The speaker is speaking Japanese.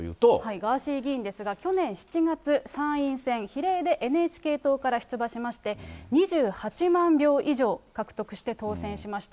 ガーシー議員ですが、去年７月、参院選比例でＮＨＫ党から出馬しまして、２８万票以上獲得して当選しました。